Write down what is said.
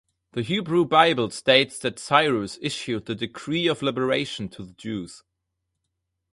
The Hebrew Bible states that Cyrus issued the decree of liberation to the Jews.